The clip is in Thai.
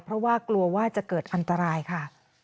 เพราะว่ากลัวว่าจะเกิดอันตรายค่ะ